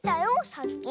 さっき。